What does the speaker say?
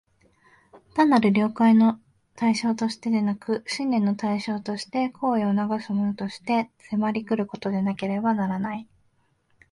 単なる了解の対象としてでなく、信念の対象として、行為を唆すものとして、迫り来ることでなければならない。